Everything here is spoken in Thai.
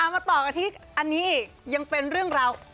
มาต่อกันที่อันนี้อีกยังเป็นเรื่องราว